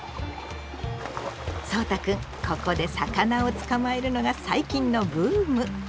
そうたくんここで魚を捕まえるのが最近のブーム。